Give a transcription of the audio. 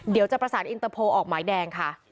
เดี๋ยวจะประสานอินเตอร์โพลออกหมายแดงค่ะ